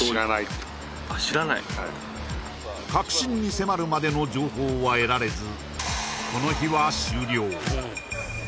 はい核心に迫るまでの情報は得られずこの日は終了